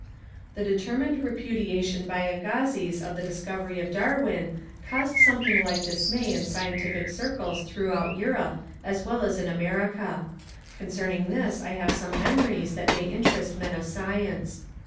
The determined repudiation by Agassiz of the discovery of Darwin caused something like dismay in scientific circles throughout Europe as well as in America. Concerning this I have some memories that may interest men of science.